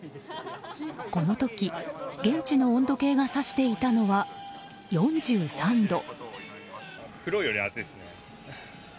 この時、現地の温度計が指していたのは４３度。